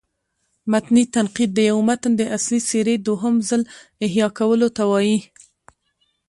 متني تنقید: د یو متن د اصلي څېرې دوهم ځل احیا کولو ته وايي.